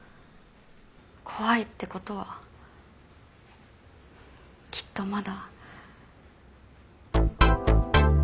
怖いって事はきっとまだ。